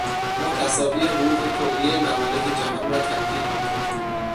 ما تساوی حقوق کلیهٔ ممالک جهان را تأکید میکنیم.